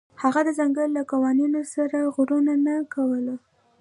هغه د ځنګل له قوانینو سرغړونه نه کوله.